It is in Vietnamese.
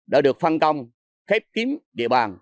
để được phân công khép kiếm địa bàn